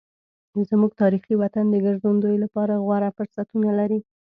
زموږ تاریخي وطن د ګرځندوی لپاره غوره فرصتونه لري.